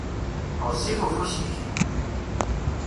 Γezzif ufus-ik!